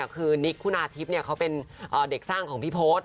คือนิกคุณาทิพย์เขาเป็นเด็กสร้างของพี่โพธ